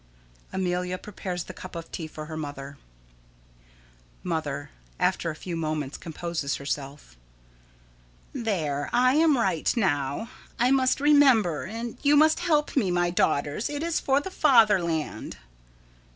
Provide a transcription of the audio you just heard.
[Amelia prepares the cup of tea for her mother.] Mother: [After a few moments composes herself.] There, I am right now. I must remember and you must help me, my daughters it is for the fatherland.